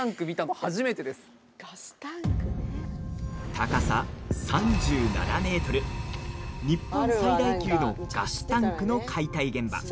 高さ３７ｍ日本最大級のガスタンクの解体現場。